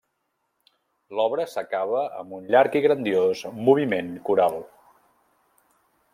L'obra s'acaba amb un llarg i grandiós moviment coral.